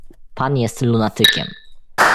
"Pan jest lunatykiem."